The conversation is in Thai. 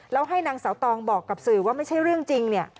แล้วให้นางเสาตองบอกกับสื่อว่าไม่ใช่เรื่องจริงเนี่ย